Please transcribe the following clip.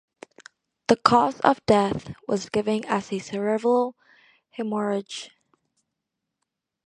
The cause of death was given as a cerebral haemorrhage.